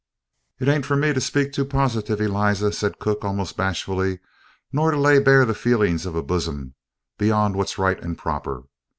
"It ain't for me to speak too positive, Eliza," said cook almost bashfully, "nor to lay bare the feelings of a bosom, beyond what's right and proper.